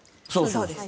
そうです。